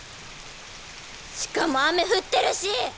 しかも雨降ってるし！